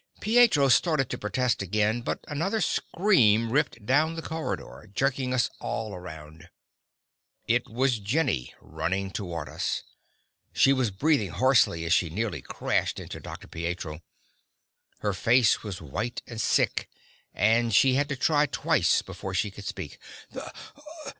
Pietro started to protest again, but another scream ripped down the corridor, jerking us all around. It was Jenny, running toward us. She was breathing hoarsely as she nearly crashed into Dr. Pietro. Her face was white and sick, and she had to try twice before she could speak.